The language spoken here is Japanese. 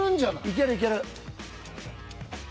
いけるいける。